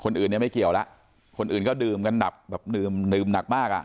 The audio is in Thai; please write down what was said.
เนี่ยไม่เกี่ยวแล้วคนอื่นก็ดื่มกันแบบดื่มดื่มหนักมากอ่ะ